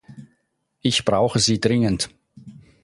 Ich brauche sie dringend.